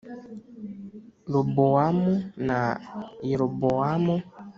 Robowamu na Yerobowamu